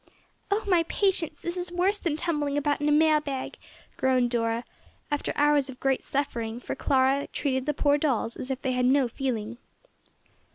"Oh my patience, this is worse than tumbling about in a mail bag," groaned Dora, after hours of great suffering, for Clara treated the poor dolls as if they had no feeling.